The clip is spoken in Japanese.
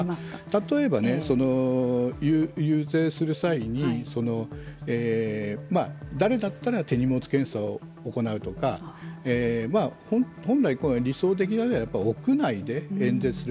例えば、遊説する際に誰だったら手荷物検査を行うとか本来、理想的なのは屋内で演説する。